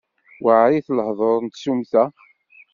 Weɛrit lehdur n tsumta.